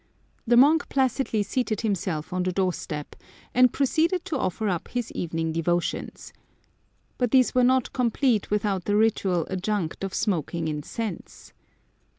The monk placidly seated himself on the doorstep, and proceeded to offer up his evening devotions. But these were not complete without the ritual adjunct of smoking incense.